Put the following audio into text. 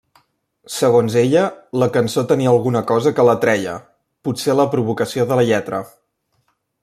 Segons ella, la cançó tenia alguna cosa que l'atreia, potser la provocació de la lletra.